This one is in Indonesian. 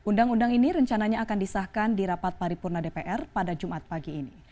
undang undang ini rencananya akan disahkan di rapat paripurna dpr pada jumat pagi ini